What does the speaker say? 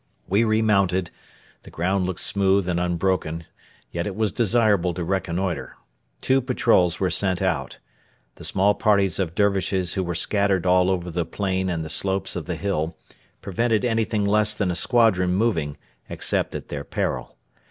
We remounted; the ground looked smooth and unbroken; yet it was desirable to reconnoitre. Two patrols were sent out. The small parties of Dervishes who were scattered all over the plain and the slopes of the hill prevented anything less than a squadron moving, except at their peril.